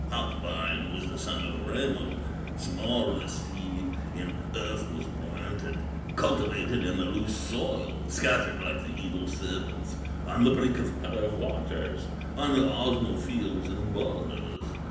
Hop vine was the son of Remu, Small the seed in earth was planted, Cultivated in the loose soil, Scattered like the evil serpents On the brink of Kalew waters, On the Osmo fields and borders.